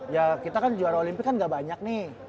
ya kita kan juara olimpik kan gak banyak nih